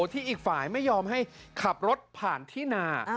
ที่อีกฝ่ายไม่ยอมให้ขับรถผ่านที่นา